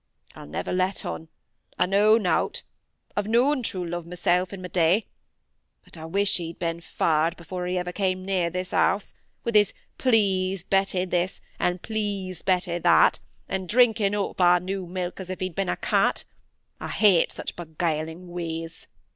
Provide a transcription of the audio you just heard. "I'll never let on; I know nought. I've known true love mysel', in my day. But I wish he'd been farred before he ever came near this house, with his 'Please Betty' this, and 'Please Betty' that, and drinking up our new milk as if he'd been a cat. I hate such beguiling ways."